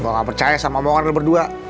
gue gak percaya sama omongan lu berdua